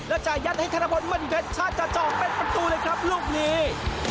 แล้วจ่ายยัดให้ฆาตบอลมันเผ็ดชาติจ่องเป็นประตูเลยครับลูกนี้